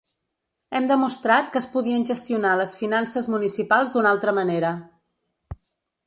Hem demostrat que es podien gestionar les finances municipals d’una altra manera.